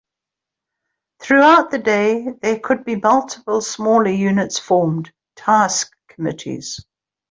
Throughout the day, there could be multiple smaller units formed, Task Committees.